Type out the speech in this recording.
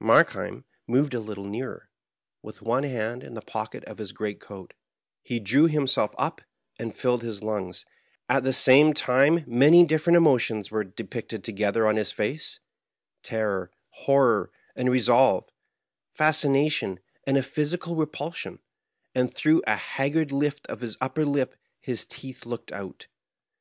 Markheim moved a little nearer, with one hand in the pocket of his great coat ; he drew himself up and filled his lungs ; at the same time many different emotions were depicted together on his face — terror, horror, and resolve, fascination and a physical re pulsion ; and through a haggard lift of his upper lip his teeth looked out.